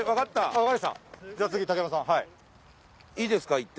いですか？